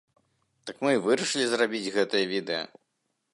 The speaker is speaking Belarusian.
Так мы і вырашылі зрабіць гэтае відэа.